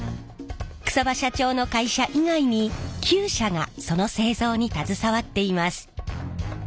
草場社長の会社以外に９社がその製造に携わっています。